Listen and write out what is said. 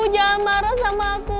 jangan marah sama aku